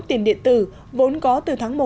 tiền điện tử vốn có từ tháng một